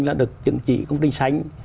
là được chứng chỉ công trình xanh